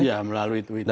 ya melalui twitter